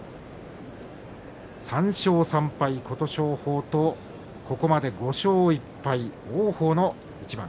３勝３敗、琴勝峰とここまで５勝１敗、王鵬の一番。